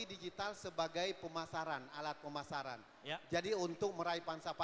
dan mereka sudah menggunakan produk